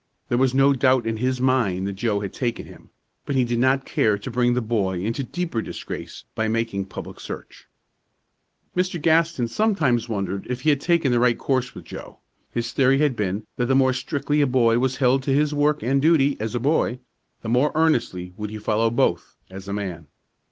There was no doubt in his mind that Joe had taken him; but he did not care to bring the boy into deeper disgrace by making public search. Mr. Gaston sometimes wondered if he had taken the right course with Joe. His theory had been that the more strictly a boy was held to his work and duty as a boy, the more earnestly would he follow both as a man.